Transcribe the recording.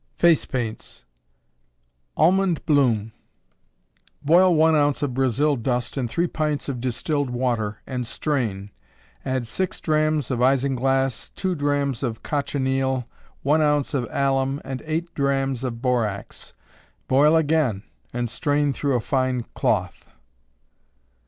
FACE PAINTS. Almond Bloom. Boil one ounce of Brazil dust in three pints of distilled water, and strain; add six drachms of isinglass, 2 drachms of cochineal, one ounce of alum, and eight drachms of borax; boil again and strain through a fine cloth.